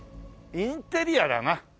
インテリアだな。